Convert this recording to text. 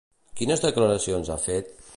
Quines declaracions ha fet?